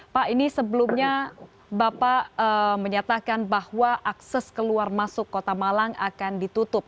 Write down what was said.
pak ini sebelumnya bapak menyatakan bahwa akses keluar masuk kota malang akan ditutup